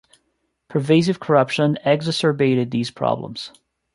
Pervasive corruption exacerbated these problems.